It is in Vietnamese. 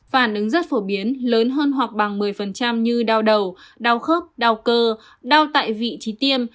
phản ứng rất phổ biến lớn hơn hoặc bằng một mươi như đau đầu đau khớp đau cơ đau tại vị trí tiêm